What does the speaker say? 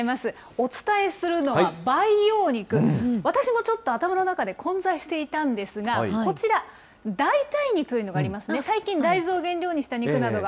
お伝えするのは培養肉、私もちょっと頭の中で混在していたんですが、こちら、代替肉というのがありますね、最近、大豆を原料にした肉などが。